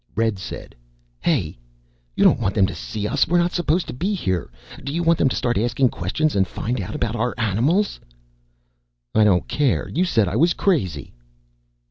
Red said, "Hey. You don't want them to see us. We're not supposed to be here. Do you want them to start asking questions and find out about our animals?" "I don't care. You said I was crazy."